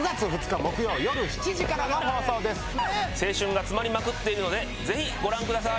青春がつまりまくっているので是非ご覧ください！